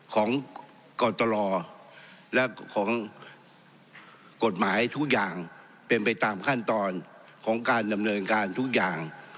ของกตรและของกฎหมายทุกอย่างเป็นไปตามขั้นตอนของการดำเนินการทุกอย่าง